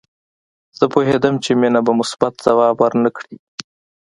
زه پوهېدم چې مينه به مثبت ځواب ورنه کړي